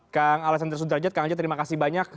kang alexander sudrajat kang ajat terima kasih banyak